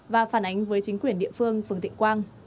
và phản ánh với chính quyền địa phương phường thịnh quang